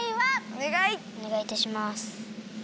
おねがいいたします。